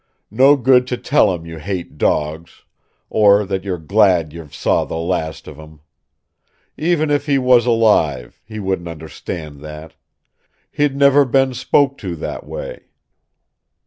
No good to tell him you hate dogs; or that you're glad you've saw the last of him. Even if he was alive, he wouldn't understand that. He'd never been spoke to that way."